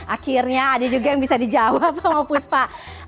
akhirnya ada juga yang bisa dijawab sama puspa